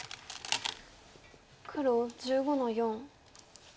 黒１５の四。